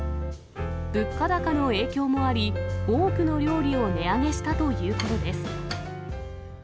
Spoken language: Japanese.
物価高の影響もあり、多くの料理を値上げしたということです。